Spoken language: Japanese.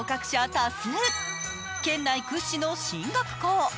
多数、県内屈指の進学校。